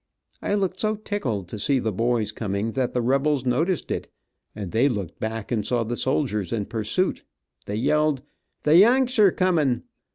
I looked so tickled to see the boys coming that the rebels noticed it, and they looked back and saw the soldiers in pursuit, they yelled, "The Yanks are coming!"